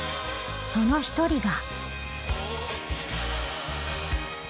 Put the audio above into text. その一人が。